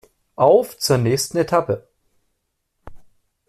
Auf zur nächsten Etappe!